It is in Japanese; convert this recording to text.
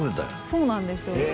そうなんですよ